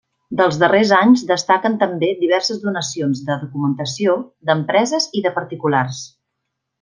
Dels darrers anys destaquen també diverses donacions de documentació d'empreses i de particulars.